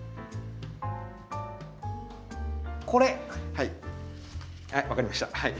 はい分かりました。